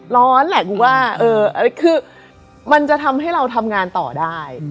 ร้อนแหละกูว่าคือมันจะทำให้เราทำงานต่อได้